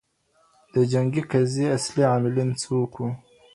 د جنګي قضیې اصلي عاملین څوک وو؟